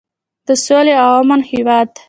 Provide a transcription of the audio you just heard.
د سولې او امن هیواد.